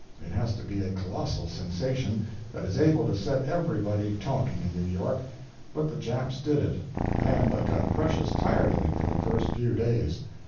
It has to be a colossal sensation that is able to set everybody talking in New York, but the Japs did it. And I got precious tired of it for the first few days.